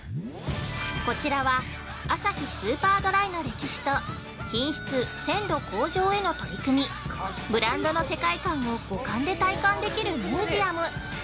◆こちらは「アサヒスーパードライ」の歴史と品質・鮮度向上への取り組み、ブランドの世界観を五感で体感できるミュージアム。